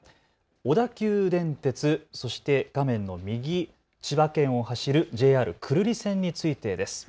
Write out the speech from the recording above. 小田急電鉄、そして画面の右、千葉県を走るＪＲ久留里線についてです。